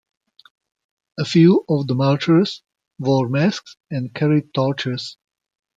A few of the marchers wore masks and carried torches.